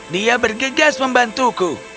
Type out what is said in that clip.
dia bergegas membantuku